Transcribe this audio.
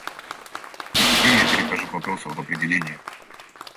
И теперь я перехожу к вопросу об определениях.